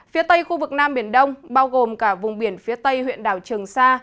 phía tây khu vực nam biển đông bao gồm cả vùng biển phía tây huyện đảo trường sa